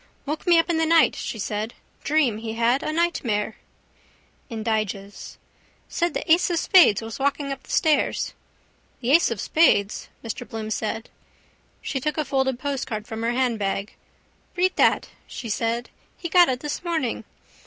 —Woke me up in the night, she said. Dream he had, a nightmare. Indiges. —Said the ace of spades was walking up the stairs. —The ace of spades! Mr Bloom said. She took a folded postcard from her handbag. —Read that, she said. He got it this morning.